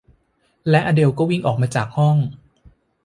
และอเดลก็วิ่งออกมาจากห้อง